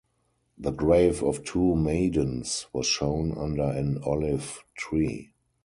The grave of two maidens was shown under an olive tree.